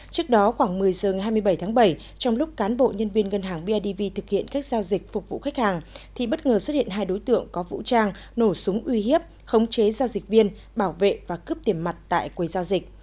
trước đó khoảng một mươi giờ ngày hai mươi bảy tháng bảy trong lúc cán bộ nhân viên ngân hàng bidv thực hiện các giao dịch phục vụ khách hàng thì bất ngờ xuất hiện hai đối tượng có vũ trang nổ súng uy hiếp khống chế giao dịch viên bảo vệ và cướp tiền mặt tại quầy giao dịch